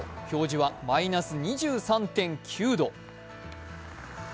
表示はマイナス２３．９度。